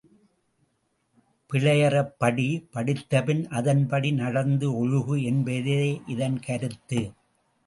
பிழையறப் படி படித்தபின் அதன்படி நடந்து ஒழுகு! என்பதே இதன் கருத்து.